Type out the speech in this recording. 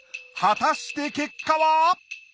果たして結果は！？